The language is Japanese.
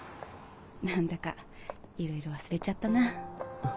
何だかいろいろ忘れちゃったな。